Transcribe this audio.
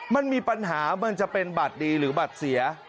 มันมีปัญหามันจะเป็นบัตรดีหรือบัตรเสีย